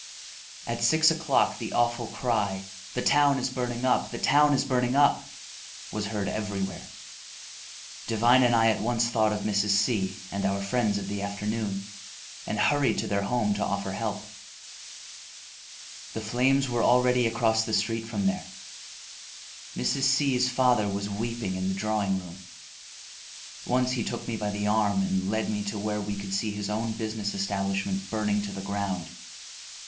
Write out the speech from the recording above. At six o'clock the awful cry, "The town is burning up, the town is burning up!" was heard everywhere. Devine and I at once thought of Mrs. C and our friends of the afternoon, and hurried to their home to offer help. The flames were already across the street from there. Mrs. C 's father was weeping in the drawing room. Once he took me by the arm and led me to where we could see his own business establishment burning to the ground.